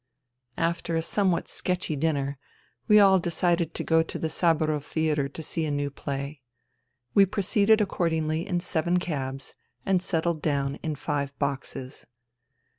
After a somewhat sketchy dinner we all decided to go to the Saburov Theatre to see a new play. We proceeded accordingly in seven cabs and settled down in five boxes.